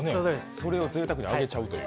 それをぜいたくに揚げちゃうという。